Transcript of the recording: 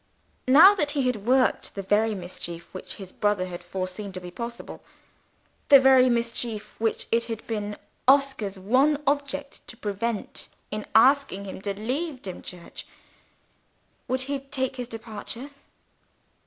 Now that he had worked the very mischief which his brother had foreseen to be possible the very mischief which it had been Oscar's one object to prevent in asking him to leave Dimchurch would he take his departure?